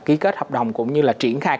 ký kết hợp đồng cũng như là triển khai